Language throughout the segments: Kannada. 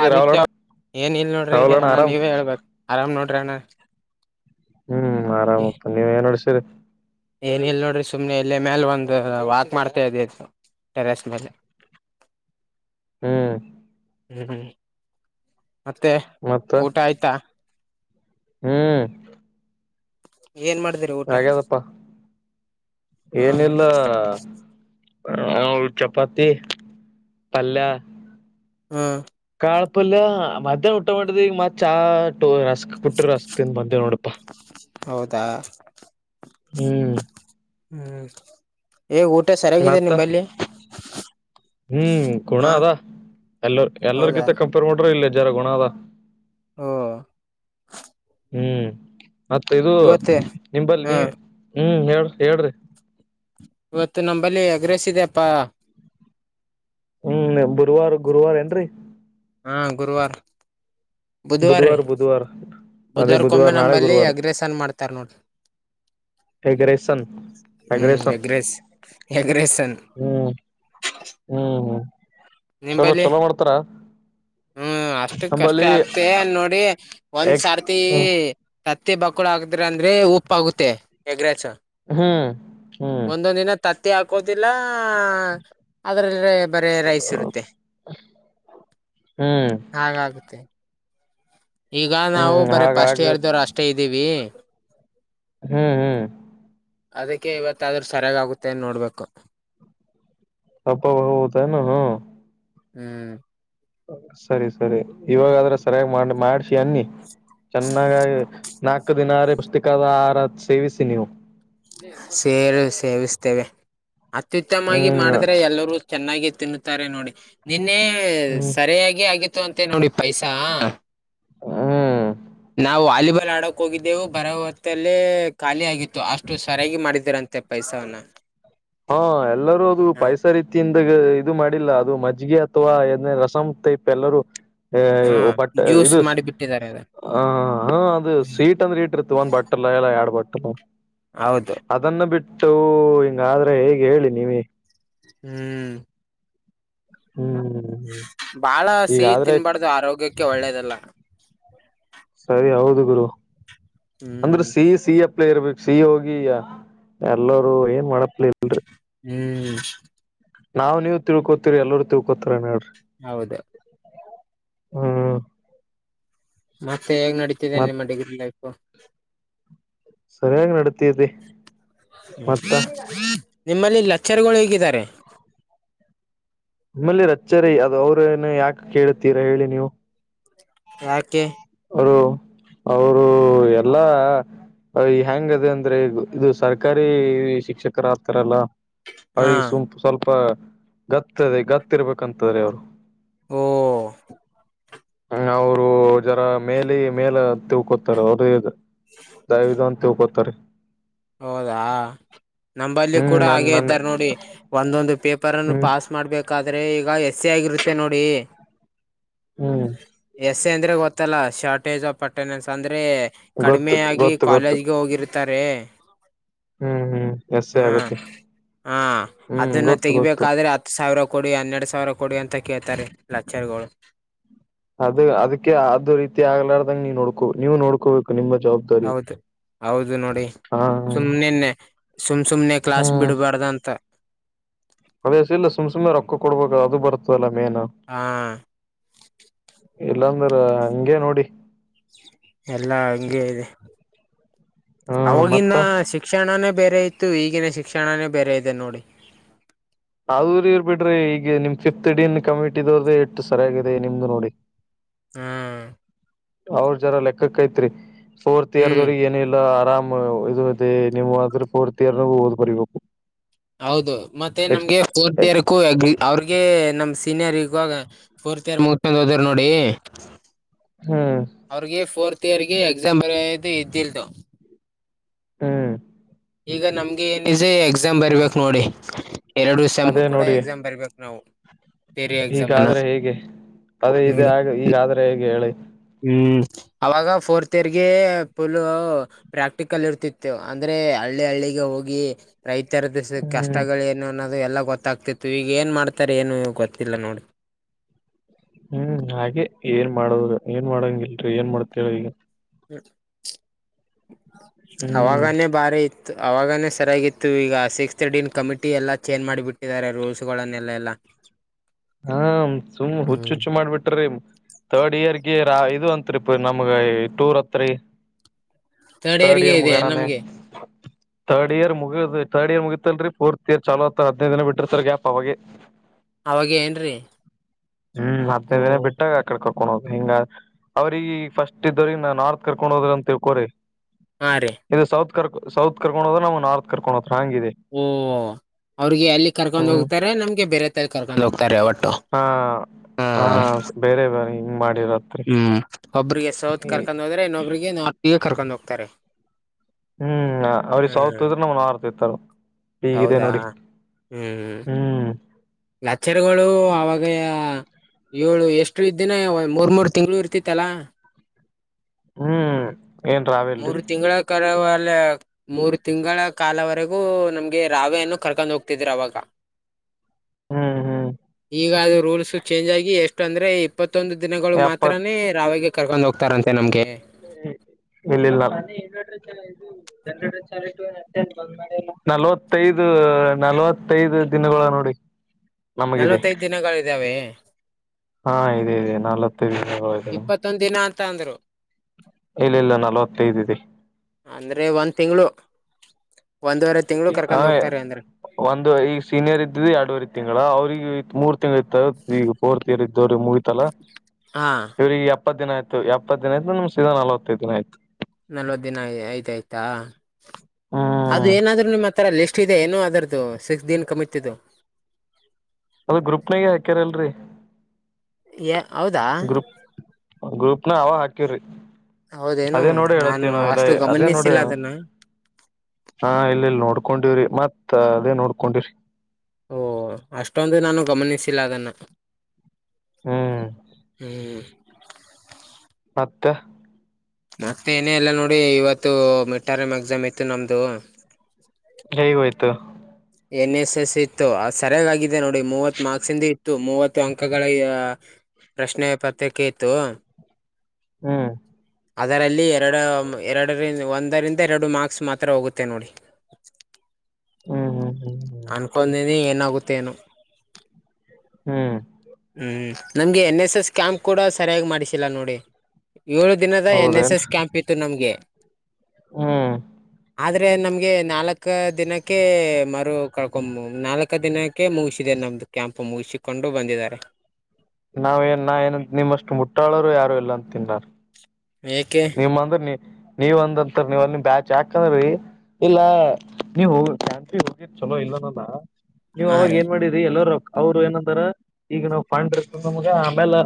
ಏ ಆದಿತ್ಯ ರಾಹುಲಣ್ಣ ಏನ್ ಇಲ್ ನೋಡ್ರಿ ರಾಹುಲಣ್ಣ ಅಣ್ಣ ಆರಾಮ್ ನೀವೇ ಹೇಳ್ಬೇಕ್ ಆರಾಮ್ ನೋಡ್ರಿ ಅಣ್ಣ ಹ್ಮ್ ಆರಾಮಪ್ಪ ನೀವ್ ಏನ್ [unintelligible] ಏನ ಇಲ್ ನೋಡ್ರಿ ಸುಮನೆ ಇಲ್ಲ ಮೇಲೆ ಒಂದು ವಾಕ್ ಮಾಡ್ತಾ ಇದಿತ್ತು ಟೆರೆಸ್ ಮೇಲೆ ಹ್ಮ್ ಹ್ಮ್ ಹ್ಮ್ ಮತ್ತೆ ಮತ್ತ ಊಟ ಆಯ್ತಾ ಹ್ಮ್ ಏನ್ ಮಾಡ್ದೆ ಹಾಗ್ಯದಪ್ಪಾ ಹ್ಮ್ ಏನಿಲ್ಲ. ಹ ಚಪಾತಿ ಪಲ್ಯ. ಹ್ಮ್ ಕಾಳ ಪಲ್ಯ ಮಧ್ಯಾಹ್ನ ಊಟ ಮಾಡಿದ್ ಈಗ ಮತ್ ಚಾಟ ರಸ್ಕ್ ಕುಟ್ಟಿರು ರಸ್ಕ್ ತಿಂದ ಬಂದಿವ್ ನೋಡಪಾ. ಹೌದಾ. ಹ್ಮ್ ಹ್ಮ್ ಏಗ ಊಟ ಸರಿಯಾಗಿದೆ ಮತ್ತ ನಿಂಬಲ್ಲಿ. ಹ್ಮ್ ಗುಣ ಹಾ ಅದ ಎಲ್ಲ ಹೌದಾ ಎಲ್ಲರ್ಗೊತೆ ಕಂಪೇರ್ ಮಾಡ್ರ ಇಲ್ಲ ಜರ ಗುಣ ಅದ. ಹ್ಮ ಹ್ಮ್ ಮತ್ ಇದು ಇವತ್ತು ನಿಂಬಲ್ಲಿ ಹಾ ನೀ ಹ್ಮ ಹೇಳ್ ಹೇಳ್ರಿ. ಇವತ್ತು ನಂಬಲ್ಲಿ ಎಗ್ ರೈಸ್ ಇದೆಪ್ಪಾ. ಹ್ಮ್ ಬುದ್ವಾರ್ ಗುರುವಾರ್ ಏನ್ರಿ. ಹಾಂ ಗುರುವಾರ. ಬುಧವಾರ ರೀ ಬುಧವಾರ್ ಬುಧವಾರ ಅದೇ ಬುಧವಾರ ನಾಳೆ ಗುರುವಾರ. ಬೆಸನ್ ಮಾಡ್ತಾರ್ ನೋಡಿ. ಎಗ್ರೇಸನ್ ಹ್ಮ್ ಅಗ್ರೇಶನ್ಸ್. [unintelligible] ಎಗ್ರೆಸನ್ ಹ್ಮ್ ಹ್ಮ್ ಹ್ಮ್ ಚಲೋ ನಿಂಬಲ್ಲಿ ಚಲೋ ಮಾಡ್ತಾರ. ಹ್ಮ್ ಅಷ್ಟಕ್ ಕಷ್ಟೇ ನಂಬಲ್ಲಿ ಆಗ್ತೆ ನೋಡಿ ಒಂದ್ ಸಾರ್ತಿ. ಹ್ಮ್ ಕತ್ತಿ ಬಕ್ಕುಳು ಹಾಕಿದ್ರು ಅಂದ್ರೇ ಉಪ್ಪು ಆಗುತ್ತೆ ಎಗ್ ರೈಸು. ಹ್ಮ್ ಹ್ಮ್ ತತ್ತಿ ಹಾಕೋದಿಲ್ಲ ಅದ್ರೆ ಬರೆ ರೈಸ್ ಇರುತ್ತೆ. [unintelligible] ಹ್ಮ್ ಹಾಗಾಗುತ್ತೆ ಈಗ ನಾವು ಹ್ಮ್ ಬರೀ ಫಸ್ಟೆ ಹಾಗಾಗ [unintelligible] ಅಷ್ಟೇ ಇದ್ದೀವಿ. ಹ್ಮ್ ಹ್ಮ್ ಅದಕ್ಕೆ ಇವತ್ತ ಆದ್ರೂ ಸರಿಯಾಗ್ಗುತ್ತೆನ್ ನೋಡ್ಬೇಕು. ಅಪ್ಪ [unintelligible] ಹ್ಮ್ ಸರಿ ಸರಿ ಇವಾಗಾದ್ರು ಸರಿಯಾಗಿ ಮಾಡ್ ಮಾಡ್ಸಿ ಅನ್ನಿ. ಚೆನ್ನಾಗಿ ಆಗಿ ನಾಲ್ಕು ದಿನರ ಪುಸ್ಟಿಕದ ಆಹಾರ ಸೇವಿಸಿ ನೀವು. ಸೇರು ಸೇವಿಸ್ತೇವೆ ಅತ್ಯುತ್ತಮವಾಗಿ ಹ್ಮ್ ಮಾಡಿದ್ರೆ ಎಲ್ಲವು ಚೆನ್ನಾಗಿ ತಿನ್ನುತ್ತಾರೆ ನೋಡಿ ನಿನ್ನೆ ಹ್ಮ್ ಸರಿಯಾಗಿ ಆಗಿ ಇತ್ತಂತೆ ನೋಡಿ ಪೈಸ ಹ್ಮ್ ನಾವು ವಾಲಿಬಾಲ್ ಆಡೋ ಹೋಗಿದ್ದೆವು ಬರೋ ಹೊತ್ತಲ್ಲೇ ಖಾಲಿ ಆಗಿತ್ತು ಅಷ್ಟು ಸರಿಯಾಗಿ ಮಾಡಿದ್ದರಂತೆ ಪೈಸನ್ನ. ಹಾ ಎಲ್ಲರೂ ಅದು ಪೈಸ ರೀತಿಯಿಂದಾಗ ಇದು ಮಾಡಿಲ್ಲ ಅದು ಮಜ್ಗೆ ಅಥವಾ ಏ ರಸಂ ಟೈಪ್ ಎಲ್ಲರೂ. ಹೇ ಬಟ್ ಜ್ಯೂಸ್ ಇದು ಮಾಡಿ ಬಿಟ್ಟಿದ್ದಾರೆ ಅದ ಆ ಹ ಅದು ಸ್ವೀಟ್ ಅಂದ್ರೆ ಇಟ್ಟಿರ್ತ್ತ ಇ ಒಂದ್ ಬಟ್ಟಲ್ಲ ಇಲ್ಲ ಎರಡ್ ಬಟ್ಟಲ್ಲ. ಹೌದು ಅದನ್ನು ಬಿಟ್ಟು ಹಿಂಗಾದ್ರೆ ಹೇಗೆ ಹೇಳಿ ನೀವೆ. ಹ್ಮ್ ಹ್ಮ್ ಹ್ಮ್ ಬಾಳ ಸಿಹಿ ತಿನ್ಬಾರ್ದು ಆರೋಗ್ಯಕ್ಕೆ ಒಳ್ಳೇದಲ್ಲ. ಸರಿ ಹೌದು ಗುರು ಅಂದ್ರೆ ಹ್ಮ್ ಸಿಹಿ ಸಿಹಿ. ಇರ್ಬೇಕ ಸಿಹಿ ಹೋಗಿ ಎಲ್ಲರೂ ಏನ್ ಮಾಡತ್ಲ ಇಲ್ರಿ. ಹ್ಮ್ ನಾವವು ನೀವು ತಿಳ್ಕೋತಿರಿ ಎಲ್ಲರು ತಿಳ್ಕೋತರ ಏನ್ ಹೇಳ್ರಿ. ಹೌದು. ಹ್ಮ್ ಮತ್ತೆ ಹೇಗ್ ನಡೀತಿದೆೇ ಮತ್ ನಿಮ್ಮ ಡಿಗ್ರಿ ಲೈಫ್. ಸರಿಯಾಗಿ ನಡತಿದೆ. ಹ್ಮ್ ನಿಮ್ಮಲ್ಲಿ ಲೆಚ್ಚರ್ಗಳು ಹೇಗಿದ್ದಾರೆ. ನಿಮ್ಮಲ್ಲಿ ಲಚ್ಚುರು ಅವ್ರೇನು ಯಾಕೆ ಕೇಳುತ್ತೀರಾ ಹೇಳಿ ನೀವು. ಯಾಕೆ. ಅವರು ಅವರು ಎಲ್ಲಾ ಹ ಎಂಗ ಅದಿ ಅಂದ್ರೆ ಇದು ಸರ್ಕಾರಿ ಶಿಕ್ಷಕರ ಆಗ್ತಾರಲ್ಲ. ಹಾ ಅವ್ರಿಗೆ ಸುಂಪ ಸ್ವಲ್ಪ ಗತ್ತದೆ ಗತ್ತಿರ್ಬೇಕಂತ್ರ ಅವರು. ಹೋ. ಹ್ಮ ಅವರು ಜರ ಮೇಲಿ ಮೇಲ ತಿಳ್ಕೋತಾರ ಅವರುದ ಇ ದಯವಿದು ಅಂತಕೋತಾರೆ. ಹೌದಾ ನಂಬಲ್ಲಿ ಹ್ಮ್ ಕೂಡ ನನ್ ಹಾಗೆ ನನ್ನೆ ಇದ್ದಾರೆ ನೋಡಿ ಒಂದೊಂದು ಪೇಪರ್ನ್ನು ಹ್ಮ್ ಪಾಸ್ ಮಾಡ್ಬೇಕಾದ್ರೆ ಈಗ ಎಸ್ಸಿ ಆಗಿರುತ್ತೆ ನೋಡಿ. ಹ್ಮ್ ಎಸ್ ಎ ಅಂದ್ರೆ ಗೊತ್ತಲ್ಲ ಶಾರ್ಟೇಜ್ ಆಫ್ ಅಟೆಂಡೆನ್ಸ್ ಅಂದ್ರೆ ಗೊತ್ತು ಕಡಿಮೆ ಆಗಿ ಗೊತ್ತು ಗೊತ್ತು ಕಾಲೇಜ್ಗೆ ಹೋಗಿರ್ತಾರೆ. ಹ್ಮ್ ಹ್ಮ್ ಎಸೇ ಹಾ ಆಗತ್ತೆ ಹಾ ಹ್ಮ್ ಅದನ್ನ ಗೊತ್ತು ಗೊತ್ತು. ತೆಗಿಬೇಕಾದ್ರೆ ಹತ್ತು ಸಾವಿರ ಕೊಡಿ ಹನ್ನೆರಡು ಸಾವಿರ ಕೊಡಿ ಅಂತ ಕೇಳ್ತಾರೆ ಲೆಕ್ಚರ್ ಗಳು. ಅದು ಅದಕ್ಕೆ ಅದು ರೀತಿ ಆಗ್ಲಾರ್ ದಂಗ ನೋಡ್ಕೋ ನೀವು ನೋಡ್ಕೋಬೇಕು ನಿಮ್ಮ ಜವಾಬ್ದಾರಿ. ಹೌದು ಹೌದು ನೋಡಿ ಹಾ ಸುಮ್ನೆನೆ ಸುಮ್ ಸುಮ್ನೆ ಕ್ಲಾಸ್ ಬಿಡ್ಬ್ಯಾಡ್ದಂತ. ಹದ್ಯಸ ಇಲ್ಲ ಸುಮ್ ಸುಮ್ಮನೆ ರೊಕ್ಕ ಕೊಡ್ಬೇಕಲ ಅದು ಬರ್ತದಲ್ಲ ಮೇನ್. ಹಾ ಇಲ್ಲಾಂದ್ರ ಹಂಗೆ ನೋಡಿ. ಎಲ್ಲಾ ಹಂಗೆ ಇದೆ ಹ್ಮ ಅವವಾಗಿನ್ನ ಮತ್ತ ಶಿಕ್ಷಣನೇ ಬೇರೆ ಇತ್ತು ಈಗಿನೇ ಶಿಕ್ಷಣನೇ ಬೇರೆ ಇದೆ ನೋಡಿ. ಅವ್ರ್ ಇವ್ರ್ ಬಿಡ್ರಿ ಈಗ ನಿಮ್ ಫಿಫ್ತ್ ಡಿನ್ ಕಮಿಟಿದೋರ್ದೆ ಎಷ್ಟು ಸರಿಯಾಗಿದೆ ನಿಮ್ದು ನೋಡಿ. ಹಾ. ಅವ್ರ ಜರ ಲೆಕ್ಕಕ್ ಐತ್ರಿ ಫೋರ್ತ್ ಇಯರ್ ಹ್ಮ್ ದವ್ರಗಿ ಏನಿಲ್ಲ ಆರಾಮ್. ಇದು ಅದೇ ನೀವು ಅ ಆದ್ರೆ ಫೋರ್ತ್ ಇಯರ್ ನ ಓದ್ ಬರಿಬೇಕು. ಹೌದು ಮತ್ತೆ ನೆಕ್ಸ್ಟ್ ನಮ್ಗೆ ಫೋರ್ತ್ ಇಯರ್ಕು ಅಗ್ರಿ. ಅವ್ರ್ ಗೆ ನಮ್ ಸೀನಿಯರ್ ಇವಾಗ ಫೋರ್ತ್ ಇಯರ್ ಮುಗದ್ಮೇಲೆ ಹೋದ್ರು ನೋಡಿ. ಹ್ಮ್. ಅವ್ರಿಗೆ ಫೋರ್ತ್ ಇಯರ್ಗೆ ಎಕ್ಸಾಮ್ ಬರೆಯೋದು ಇದ್ದಿಲ್ದು. ಹ್ಮ್. ಈಗ ನಮ್ಗೆ ಏನಿದೆ ಎಕ್ಸಾಮ್ ಬರೀಬೇಕ್ ನೋಡಿ. ಎರಡು ಸೆಮ್ ಅದೇ ಕೂಡ ನೋಡಿ ಎಕ್ಸಾಮ್ ಬರ್ಬೇಕು ನಾವು. ಥಿಯರಿ ಎಕ್ಸಾಮ್ ಅನ್ನ ಹೀಗಾದ್ರೆ ಹೇಗೆ ಅದೇ ನೋಡಿ. ಇದು ಈಗಾದ್ರೆ ಹೇಗೆ ಹೇಳಿ. ಹ್ಮ್ ಅವಾಗ ಫೋರ್ತ್ ಇಯರ್ಗೆ ಪುಲ್ಲು. ಪ್ರಾಕ್ಟಿಕಲ್ ಇರ್ತಿತ್ತು ಅಂದ್ರೆ ಹಳ್ಳಿ ಹಳ್ಳಿಗೆ ಹೋಗಿ ರೈತ. ಎತ್ತರದ ಹ್ಮ್ ಕಷ್ಟಗಳೇನು ಅನ್ನೋದು ಎಲ್ಲ ಗೊತ್ತಾಗ್ತಿತ್ತು ಈಗ ಏನ್ ಮಾಡ್ತಾರೆ ಏನು ಗೊತ್ತಿಲ್ಲ ನೋಡಿ. ಹ್ಮ್ ಹಾಗೆ ಏನ್ ಮಾಡದ ಏನ್ ಮಾಡಂಗ ಇಲ್ರಿ ಏನ್ ಮಾಡ್ತೇಳ್ ಈಗ. ಹ್ಮ್ ಅವಾಗನೇ ಭಾರಿ ಅವಾಗನೇ ಸರಿಯಾಗಿತ್ತು ಈಗ ಸಿಕ್ಸ್ತ್ ಡೀಲ್ ಕಮಿಟಿ ಎಲ್ಲ ಚೇಂಜ್ ಮಾಡಿಬಿಟ್ಟಿದ್ದಾರೆ ರೂಲ್ಸ್ಗಳನ್ನೆಲ್ಲ ಎಲ್ಲ. [inaudible] ಹಾ ಸುಮ್ ಹುಚ್ಚು ಹುಚ್ಚು ಮಾಡಿಬಿಟ್ರಿಮ್. ತರ್ಡ್ ಇಯರ್ಗಿ ರಾ ಇದು ಅಂತ್ರಿ ನಮ್ಗ ಟೂರ್ ಹತ್ರಿ. ತರ್ಡ್ ಇಯರ್ಗೆ ಇಯರ್ ಇದೆ ಮುಗೆಣನೆ. ನಮ್ಗೆ ತರ್ಡ್ ಇಯರ್ ಮುಗಿದ್ ತರ್ಡ್ ಇಯರ್ ಮುಗಿತಲ್ರಿ ಫೋರ್ತ್ ಇಯರ್ ಚಾಲು ಆತ್ ಹದಿನೈದ ದಿನ ಬಿಟ್ಟಿರ್ತರ್ ಗ್ಯಾಪ್ ಅವಗೆ. ಅವಗೆ ಏನ್ರೀ. ಹ್ಮ್ ಹತ್ತ್ ಓ ದಿನ ಬಿಟ್ಟಾಗ. ಕರ್ಕೊಂಡ ಹೋದ್ ಹಿಂಗ ಅವ್ರಿಗಿ ಫಸ್ಟ್ ಇದವ್ರಿಗ ನಾ ನಾರ್ತ್ ಕರ್ಕೊಂಡು ಹೋದ್ರ ಅಂತ ತಿಳ್ಕೋರಿ. ಹಾ ರೀ. ಇದು ಸೌತ್ ಕರ್ಕ ಸೌತ್ ಕರ್ಕೊಂಡ ಹೋದ್ರಾ ನಮ್ಗ ನಾರ್ತ್ ಕರ್ಕೊಂಡೊತರ ಹಂಗ್ ಇದೆ. ಓ ಅವ್ರಿಗೆ ಅಲ್ಲಿ ಕರ್ಕೊಂಡ್ ಹ್ಮ್ ಹೋಗ್ತಾರೆ ನಮ್ಗೆ ಬೇರೆ ತಲ್ಲಿ ಕರ್ಕೊಂಡ್ ಹೋಗ್ತಾರೆ ಒಟ್ಟು. ಹಾ ಹ ಹಾ ಬೇರೆ ಬೇರೆ ಹಿಂಗ್ ಮಾಡಿರದ್. ಹ್ಮ್ ಒಬ್ರಿಗೆ ಸೌತ್ ಕರ್ಕೊಂಡ ಹೋದ್ರೆ ಇನ್ನೊಬ್ರಿಗೆ ನಾರ್ತಿಗೆ ಕರ್ಕೊಂಡ್ ಹೋಗ್ತಾರೆ. ಹ್ಮ್ ಅವ್ರಿಗ ಸೌತ್ ಹ್ಮ್ ಹೋದ್ರ ನಮ್ಗ ನಾರ್ತ್ ಇತರ್. ಈಗಿದೆ ಹೌದಾ ನೋಡಿ ಹ್ಮ್ ಹ್ಮ್. ಲೆಕ್ಚರ್ಗಳು ಅವಾಗೆಯ. ಏಳು ಎಷ್ಟು ಇದ್ದಿನಿ ಮೂರ್ ಮೂರು ತಿಂಗ್ಳು ಇರ್ತಿತ್ತಲಾ. ಹ್ಮ್. ಏನ್ ಮೂರ ರಾವೆಲ್ರಿ ತಿಂಗಳ ಕರೆವಲ್ಯಾ. ಮೂರ ತಿಂಗಳ ಕಾಲವರೆಗೂ ನಮ್ಗೆ ರಾವೆಯನ್ನು ಕರ್ಕೊಂಡ್ ಹೋಗ್ತಿದ್ರು ಅವಾಗ. ಹ್ಮ್ ಹ್ಮ್ ಈಗ ಅದು ರೂಲ್ಸ್ ಚೇಂಜ್ ಆಗಿ ಎಷ್ಟು ಅಂದ್ರೆ, ಇಪ್. ಇಪ್ಪತ್ತೊಂದು ದಿನಗಳು ಎಪ್ಪತ್ ಮಾತ್ರಾನೇ ರಾವೆಗೆ ಕರ್ಕೊಂಡ್ ಹೋಗ್ತಾರಂತೆ ನಮ್ಗೆ. ಇಲ್ಲಿಲ್ಲ, ಇನ್ವರ್ಟರ್, ಜನರೇಟರ್ [inaudible] ನಲ್ವತ್ತೈದು, ನಲವತ್ತೈದು ದಿನಗಳ್ ನೋಡಿ. ನಮಗಿದೆ ನಲ್ವತ್ತೈದ್ ದಿನಗಳಿದಾವೆ ಹಾ ಇದೆ ಇದೆ ನಾಲ್ವತ್ತೈದು ದಿನಗಳು ಇದಾವೆ ಮತ್ತೊಂದ್ ದಿನಾ ಅಂತ್ ಅಂದ್ರು ಇಲ್ಲಿಲ್ಲ ನಲವತ್ತೈದ ಇದೆ ಅಂದ್ರೆ ಒಂದ್ ತಿಂಗಳು ಒಂದುವರೆ ತಿಂಗಳು ಹ ಕರ್ಕೊಂಡ್ ಹೋಗ್ತಾರೆ ಅಂದ್ರೆ ಒಂದು ಈಗ ಸೀನಿಯರ್ ಇದ್ದಿದಿ ಎರಡೂರೆ ತಿಂಗಳ ಅವ್ರಿಗ ಮೂರ್ ತಿಂಗಳ ಇತ್ತ ಫೋರ್ತ್ ಇಯರ್ ಇದ್ದವರಿಗ ಮುಗೀತಲ್ಲ ಹಾ ಇವರಿಗ ಎಪ್ಪತ್ತದಿನ ಆಯ್ತು ಎಪ್ಪತ್ತದಿನ ಆಯ್ತು ನಮಗ ಸೀದ ನಲವತ್ತೈದ ದಿನ ಆಯ್ತು ನಲ್ವತ್ ದಿನ ಆಯ್ತಾಯ್ತಾ ಅದು ಹ್ಮ್ ಏನಾದ್ರು ನಿಮ್ಮ ತರ ಲಿಸ್ಟ್ ಇದೆ ಏನೋ ಅದುರ್ದು ಸಿಕ್ಸ್ ದಿನ್ ಕಮಿತಿದ್ದು ಅದು ಗ್ರುಪ್ ನಾಗೆ ಹಾಕ್ಯರ್ಲ್ರರಿ ಏ ಹೌದಾ ಗ್ರೂಪ್ ನಾಗ ಅವಾಗ ಹಾಕಿವ್ರಿ ಹೌದೇನು ಅದೇ ನೋಡಿ ನಾನು ಹೇಳತ್ತಿವಿ ನಾವ್ ಎಲ್ಲ ಅಷ್ಟು ಅದೇ ನೋಡಿ ಗಮನಿಸಿಲ್ಲ ಅದನ್ನ ಹಾ ಇಲ್ಲಿಲ್ಲ ನೋಡ್ಕೊಂಡಿವ್ರಿ ಮತ್ ಅದೇ ನೋಡ್ಕೊಂಡಿವ್ರಿ ಓ ಅಷ್ಟೊಂದ್ ನಾನು ಗಮನಿಸಿಲ್ಲ ಅದನ್ನ್ ಹ್ಮ್ ಹ್ಮ್ ಮತ್ತ ಮತ್ತೆ ಏನೇ ಇಲ್ಲ ನೋಡಿ ಇವತ್ತು ಮಿಟ್ಟರಂ ಎಕ್ಸಾಮ್ ಇತ್ತು ನಮ್ದು ಕೆವಾಯತು ಎನ್ ಎಸ್ ಎಸ್ ಇತ್ತು ಅದ ಸರಿಯಾಗಿದೆ ನೋಡಿ ಮೂವತ್ ಮಾರ್ಕ್ಸ್ ಇಂದ ಇ ಇತ್ತು ಮೂವತ್ತು ಅಂಕಗಳ ಪ್ರಶ್ನೆ ಪತ್ರಿಕೆ ಇತ್ತು. ಹ್ಮ್ ಅದರಲ್ಲಿ ಎರಡು ಎರಡರಿ ಒಂದರಿಂದ ಎರಡು ಮಾರ್ಕ್ಸ್ ಮಾತ್ರ ಹೋಗುತ್ತೆ ನೋಡಿ. ಹ್ಮ್ ಹ್ಮ್ ಹ್ಮ್ ಅನ್ಕೊಂದಿನಿ ಏನಾಗುತ್ತೊಏನೋ ಹ್ಮ್ ಹ್ಮ ನಮಗೆ ಎನ್ ಎಸ್ ಎಸ್ ಕ್ಯಾಂಪ್ ಕೂಡ ಸರಿಯಾಗಿ ಮಾಡಿಸಿಲ್ಲ ನೋಡಿ [inaudible] ಏಳ ದಿನದ ಎನ್ ಎಸ್ ಎಸ್ ಹೌದೇನ್ರಿ ಕ್ಯಾಂಪ್ ಇತ್ತು ನಮ್ಗೆ. ಹು ಆದರೆ ನಮ್ಗೆ ನಾಲ್ಕ ದಿನಕ್ಕೆ ಮರು ಕರಕೋ ನಾಲ್ಕ ದಿನಕ್ಕೆ ಮುಗಿಸಿದೆ ನಮ್ದು. ಕ್ಯಾಂಪ್ ಮುಗಿಸಿಕೊಂಡು ಬಂದಿದ್ದಾರೆ. ನಾವೇಏನ್ ನಾ ಏನ ನಿಮ್ಮಷ್ಟು ಮುಟ್ಟಾಳರು ಯಾರು ಇಲ್ಲ ಅಂತಿನ ನಾನ. ಏಕೆ. ನಿಮ್ಮ ಅಂದ್ರ ನೀ ನೀವಂದಂತ ನೀವ್ ಅಲ್ಲಿ ಬ್ಯಾಚ್ ಯಾಕಂದ್ರೀ ಇಲ್ಲಾ.... ನೀವು ಹೋಗರಿ ಟೈಮ ಸಿರ ಹೋಗಿರಿ ನೀವ ಚೊಲೋ ಇಲ್ಲನ ಅಲ್ಲಾ ನೀವು ಹಾ ಅವಾಗ ರೀ ಏನ್ ಮಾಡಿದ ಎಲ್ಲರ ರೊಕ್ಕ ಅವ್ರು ಏನ ಅಂದರ ಈಗ ನಾವ್ ಫಂಡ್ ಇರ್ತ ನಮ್ಗ ಆಮೇಲೆ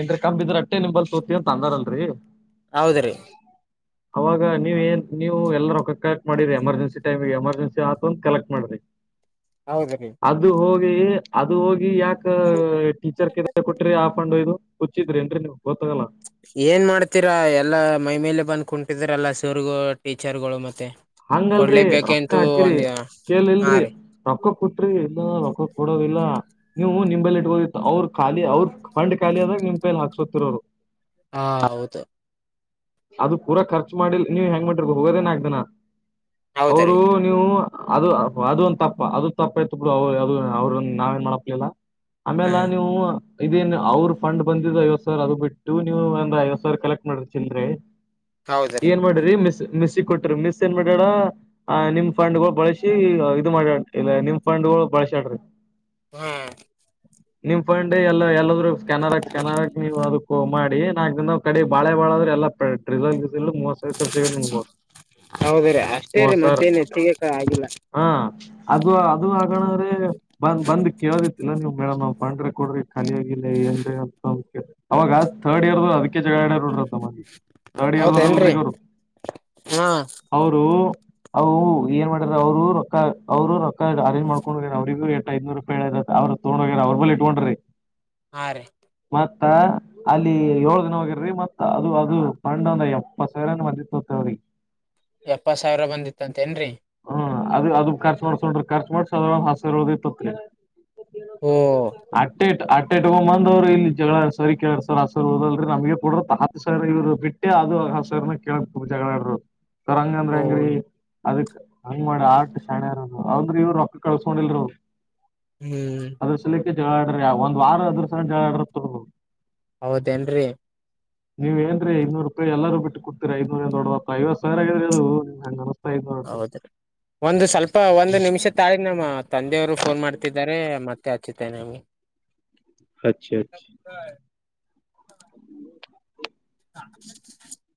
ಏನ್ರ ಕಮ್ಮಿಬಿದ್ರ ಅಟ್ಟೆ ನಿಂಬಲ್ ತೋತಿವಿ ಅಂದಾರಲ್ರರಿ. ಹೌದ್ರೀ. ಅವಾಗ ನೀವ ಏನ್ ನೀವು ಎಲ್ಲ ರೊಕ್ಕ ಕಲೆಕ್ಟ್ ಮಾಡಿರಿ ಎಮರ್ಜೆನ್ಸಿ ಟೈಮ್ಮಿಗೆ ಎಮರ್ಜೆನ್ಸಿ ಆತ ಅಂದ್ರ ಕಲೆಕ್ಟ ಮಾಡ್ರಿ. [inaudible] ಹೌದ ರೀ ಅದು ಹೋಗಿ ಅದು ಹೋಗಿ ಯಾಕ ಟೀಚರ್ [unintelligible] ಕೊಟ್ರಿ ಆ ಪಂಡ ಹೋದ. ಹುಚ್ಚಿದ್ರಿನ್ ರಿ ನೀವು ಗೊತ್ತಾಗಲ್ಲ. ಏನ್ ಮಾಡ್ತೀರಾ ಎಲ್ಲ ಮೈಮೇಲೆ ಬಂದ್ ಕುಂಟಿದ್ರಲ್ಲ ಸೋರ್ಗ ಟೀಚರರ್ಗಳು ಮತ್ತೆ. ಹಂಗಲ್ರರಿ ರೊಕ್ಕ ಕೊಡ್ಲೇಬೇಕಂತೂ ಹಾಕಿರಿ ಒಂದ [inaudible] ಕೇಲ್ ಹಾ ಇಲ್ರಿ. ರೀ ರೊಕ್ಕ ಕೊಟ್ರಿ ಇಲ್ಲ ರೊಕ್ಕ ಕೊಡೋವಿಲ್ಲ. ನೀವು ನಿಂಬಲ್ಲಿ ಇಟ್ಟಗೊದಿತ್ತ ಅವ್ರ ಖಾಲಿ ಅವ್ರ ಪಂಡ್ ಖಾಲಿ ಆದಾಗ ನಿಮ್ ಪೈಲ್ ಹಾಕ್ಸೋತಿರೋರು. ಹಾ ಹೌದ. ಅದು ಪೂರಾ ಖರ್ಚು ಮಾಡಿಲ್ಲ ನೀವ್ ಹೆಂಗ ಮಾಡರಿ ಹೋಗೊದೆ ನಾಕ ದಿನಾ [inaudible] ಅವರು.... ಹೌದ್ರೀ ನೀವು ಅದು ಅದ ಒಂದ ತಪ್ಪ ಅದು ತಪ್ಪ ಇತ್ ಬಿಡ ಅವರು ಅದು ಅವ್ರ ನಾವ ಏನ್ ಮಾಡಕ ಹೋಗಿಲ್ಲ. ಆಮೇಲೆ ಹ್ಮ್ ನೀವು. ಇದೇನ್ ಅವ್ರ ಫಂಡ್ ಬಂದಿದ್ ಐವತ್ತ ಸಾವಿರ ಅದು ಬಿಟ್ಟು ನೀವು ಒಂದ ಐವತ್ತ ಸಾವಿರ ಕಲೆಕ್ಟ ಮಾಡಿ ಚಿಲ್ರೆ. ಹೌದ್ರೀ ಏನ್ ಮಾಡ್ರಿ ಮಿಸ್ ಮಿಸ್ಸಿಗೆ ಕೊಟ್ರ ಮಿಸ್ ಏನ್ ಮಾಡ್ಯಾಳ.... ಆ ನಿಮ್ ಫಂಡ್ಗಳು ಬಳಸಿ ಇದು ಮಾಡ್ಯಾ ಇಲ್ಲ ನಿಮ್ ಫಂಡ್ಗಳು ಬಳ್ಸ್ಯಾಡ್ರಿ. ಹು ನಿಮ್ ಫಂಡ್ ಎಲ್ಲ ಎಲ್ಲಾದ್ರೂ ಸ್ಕ್ಯಾನರ್ ಹಾಕಿ ಸ್ಕ್ಯಾನರ್ ಹಾಕಿ ನೀವು ಅದು ಮಾಡಿ ನಾ ಕಡೆ ಬಾಳೆ ಬಾಳಾದ್ರೆ ಎಲ್ಲ ಪೆ ಟ್ರೇಸರ್ಯ್ಗ [unintelligible] [unintelligible] ಹೌದ ರೀ ಅಷ್ಟೇ ರೀ ಮೂವತ್ ಸಾವಿರ ಮತ್ತೇನು ಹೆಚ್ಚಿಗೆ ಆಗಿಲ್ಲ. ಹಾ ಅದು ಅದು ಹಾಗಣ್ದ್ರಿ ಬಂದ್ ಬಂದ್ ಕೇಳದಿತ್ತನ ನೀವ್ ಮೇಡಮ್ ಏನ್ ಪಂಡ ಕೊಡ್ರಿ ಖಾಲಿಯಾಗಿಲ್ಲ ಏನ ರಿ ಅಂತ ಅವಾಗ ಥರ್ಡ್ ಇಯರ್ ಅದಕ್ಕೆ ಚಗಳಡ್ಯಾರ ನೋಡ್ರಿ ಅವರ ಥರ್ಡ್ ಇಯರ್ದರ ಅಲ್ರಿ ಹೌದೇನ್ರಿ ಇವಾಗ್ ಅವ್ರ್. ಹಾ ಅವರು ಅವು ಏನ್ ಮಾಡೆರಾ ಅವ್ರು ರೊಕ್ಕ ಅವ್ರು ರೊಕ್ಕ ಅರೇಂಜ್ ಮಾಡ್ಕೊಂಡೊಗೇರ ಅವ್ರಿಗೂ. ಐನೂರೂಪಯ್ ಹೇಳರಂತ್ ಅವ್ರು ತಗೊಂಡೋಗೇರ್ ಅವ್ರ ಮೆಲ್ ಇಟ್ಕೊಂಡ್ರಿ. ಹಾ ರೀ. ಮತ್ತ ಅಲ್ಲಿ ಯೋಳ್ ಜನ ಹೋಗ್ಯಾ ರೀ ಮತ್ತ ಅದು ಅದು. [unintelligible] ಎಪ್ಪತ್ ಸಾವಿರ. [unintelligible] ಎಪ್ಪತ್ ಸಾವ್ರ ಬಂದಿತ್ತಂತೇನ್ರಿ. ಹ್ಮ್ ಅದ ಅದ ಖರ್ಚು ಮಾಡ್ಕೊಂಡ್ರು ಖರ್ಚು ಮಾಡ್ಸ ಅದ. [unintelligible] [inaudible] ಓ ಅಟ್ಟೆಟ್ ಅಟ್ಟೆಟ್ ತಗೋಬಂದೋರು ಇಲ್ಲಿ ಜಗಳ ಸಾರೀ ಕೆೇಳರ್ ಸರ ಸರ್ ಓದಲ್ರಿ ನಮ್ಗೆ ಕೊಡ್ರ [unintelligible] ಬಿಟ್. ಅಷ್ಟೇ ಅದು ಅ ಸರ್ ನಾ ಕೇಳಕ್ ಜಗಳಡರು ಸರ್ ಓ ಅಂಗಂದ್ರೆಂಗ್ರಿ ಅದಕ್. ಹಂಗ್ ಮಾಡಿ ಆಟ್ ಶಣೆ ಇರದು ಅವ್ದ್ರಿ ಇವ್ರ ರೊಕ್ಕ ಕಳ್ಸ್ಕೊಂದಿಲ್ರೀ ಇವ್ರು. ಹೇ. ಅದ್ರ ಸಲುಕ್ಕೆ ಜಗಳ ಆದ್ರೆ ಒಂದ್ ವಾರ ಅದ್ರ ಸಲ ಜಗಳ. [unintelligible] ಹೌದೇನ್ರೀ. ನೀವ ಏನ್ರಿ ಐನೂರೂಪಾಯ್ ಎಲ್ಲರು ಬಿಟ್ ಕೊಡ್ತಾರೇ ಐನೂರೆ ದೊಡ್ದಪ್ಪ ಐವತ್ ಸಾವ್ರ ಹೇಳಿರು ನಿಮ್ಗ್ ಅಂಗ್ ಹೌದ್ ಒಂದು ಸ್ವಲ್ಪ ಒಂದು ನಿಮಿಷ ತಳಿ. ನಮ್ಮ ತಂದೆಯರು ಫೋನ್ ಮಾಡ್ತಿದ್ದಾರೆ ಮತ್ತೆ ಹಚ್ಚುತ್ತೇನೆ ಅಂಗೆ. ಹಚ್ಚಿ ಹಚ್ಚಿ. [inaudible] [inaudible]